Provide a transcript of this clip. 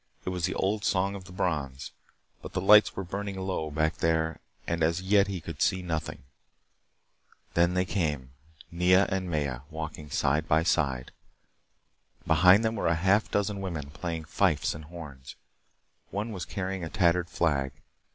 It was the old song of the Brons. But the lights were burning low back there and as yet he could see nothing. Then they came. Nea and Maya, walking side by side. Behind them were half a dozen women, playing fifes and horns. One was carrying a tattered flag.